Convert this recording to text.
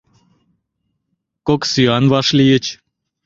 Кок сӱан вашлийыч.